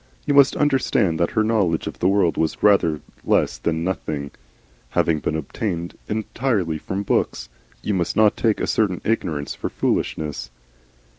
You must understand that her knowledge of the world was rather less than nothing, having been obtained entirely from books. You must not take a certain ignorance for foolishness.